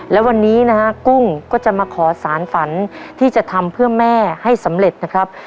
และวันนี้นะฮะกุ้งก็จะมาขอสารฝันที่จะทำเพื่อแม่ให้สำเร็จนะครับ